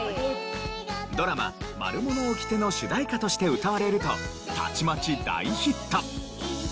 ドラマ『マルモのおきて』の主題歌として歌われるとたちまち大ヒット。